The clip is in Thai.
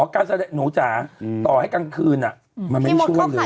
การแสดงหนูจ๋าต่อให้กลางคืนมันไม่ได้ช่วยเลย